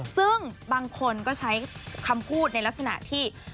ซึ่งบางคนก็ใช้คำพูดในลักษณะที่